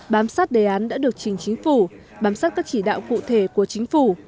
bám sát đề án đã được trình chính phủ bám sát các chỉ đạo cụ thể của chính phủ